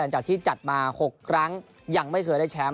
จัดที่จัดมา๖ครั้งยังไม่เคยได้แชมป์